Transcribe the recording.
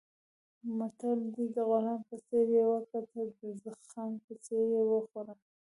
متل دی: د غلام په څېر یې وګټه، د خان په څېر یې وخوره.